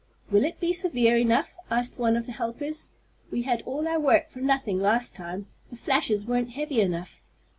"Will it be severe enough?" asked one of the helpers. "We had all our work for nothing last time. The flashes weren't heavy enough."